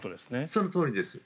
そのとおりです。